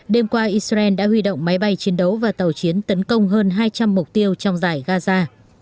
đêm qua israel đã huy động máy bay chiến đấu và tàu chiến tấn công hơn hai trăm linh mục tiêu trong giải gaza